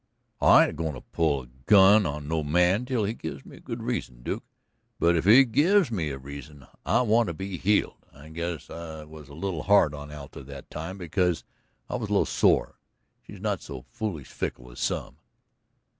"I ain't a goin' to pull a gun on no man till he gives me a good reason, Duke, but if he gives me the reason, I want to be heeled. I guess I was a little hard on Alta that time, because I was a little sore. She's not so foolish fickle as some."